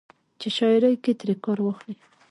چې شاعرۍ کښې ترې کار واخلي